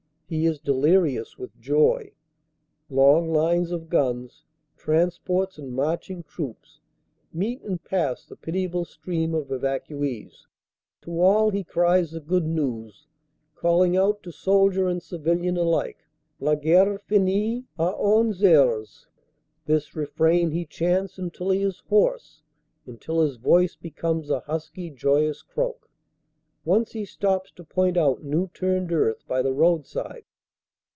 He is delirious with joy. Long lines of guns, transports and marching troops meet and pass the piti able stream of evacuees. To all he cries the good news, calling out to soldier and civilian alike, "La guerre fini a onze heures." This refrain he chants until he is hoarse, until his voice becomes a husky joyous croak. Once he stops to point out new turned earth by the roadside.